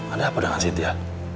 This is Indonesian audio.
ada apa dengan cynthia